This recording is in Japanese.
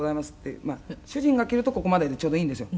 「主人が着るとここまででちょうどいいんですよ」